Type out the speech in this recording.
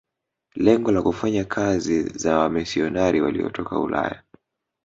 Lengo la kufanya kazi za wamisionari waliotoka Ulaya